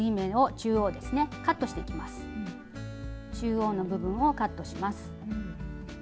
中央の部分をカットします。